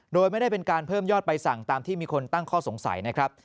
โดยไม่ได้เป็นการเพิ่มยอดใบสั่งตามที่มีคนตั้งข้อสงสัยนะครับ